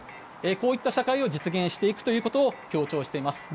こういった社会を実現していくということを強調しています。